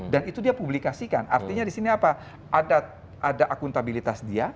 dan itu dia publikasikan artinya disini apa ada akuntabilitas dia